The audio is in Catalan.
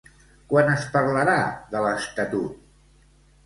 Quan es parlarà de l'estatut?